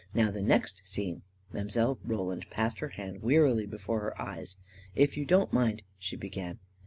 Now the next scene ..." Mile. Roland passed her hand wearily before her eyes. " If you do not mind," she began.